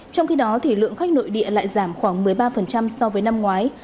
trong khi đó thì lượng khách nội địa lại giảm khoảng một mươi ba so với năm ngoái